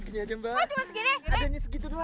kagak ada lu nama ya dikit pun ya